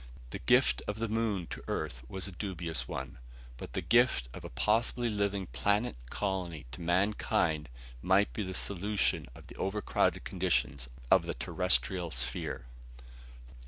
The gift of the moon to Earth was a dubious one; but the gift of a possibly living planet colony to mankind might be the solution of the overcrowded conditions of the terrestial sphere!